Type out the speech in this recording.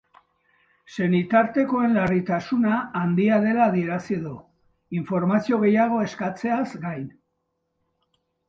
Senitartekoen larritasuna handia dela adierazi du, informazio gehiago eskatzeaz gain.